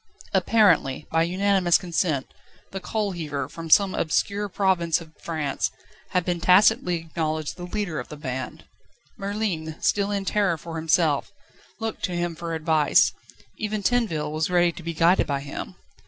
Apparently, by unanimous consent, the coalheaver, from some obscure province of France, had been tacitly acknowledged the leader of the band. Merlin, still in terror for himself, looked to him for advice; even Tinville was ready to be guided by him.